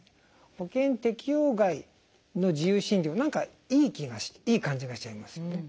保険適用外の自由診療何かいい気がいい感じがしちゃいますよね。